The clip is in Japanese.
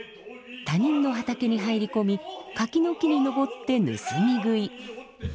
他人の畑に入り込み柿の木に登って盗み食い。